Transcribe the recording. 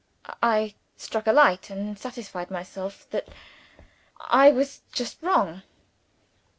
"I struck a light, and satisfied myself that I was wrong."